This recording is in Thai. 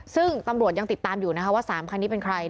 ซึ่งตำรวจยังติดตามอยู่นะคะว่า๓คันนี้เป็นใคร